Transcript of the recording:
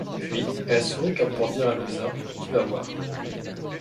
Puis, elle sourit comme pour dire à Louisa: — Tu vas voir.